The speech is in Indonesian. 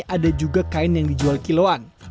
ada juga kain yang dijual kiloan